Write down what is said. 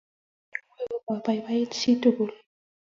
Chamyengwai ko boiboiti chitugul